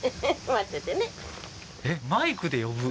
えっマイクで呼ぶ？